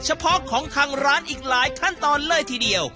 เฉพาะของทางร้านอีกหลายขั้นตอนเลยทีเดียว